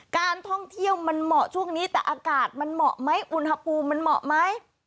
การท่องเที่ยวมันเหมาะช่วงนี้แต่อากาศมันเหมาะไหมอุณหภูมิมันเหมาะไหม